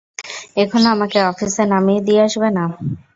এখনও আমাকে অফিসে নামিয়ে দিয়ে আসবে না?